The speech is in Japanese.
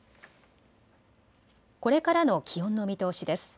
これからの気温の見通しです。